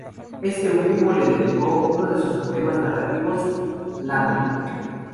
Este último le dedicó uno de sus poemas narrativos, "Lamia".